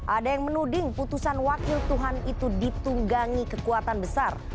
ada yang menuding putusan wakil tuhan itu ditunggangi kekuatan besar